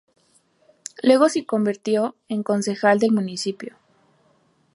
Luego se convirtió en concejal del municipio.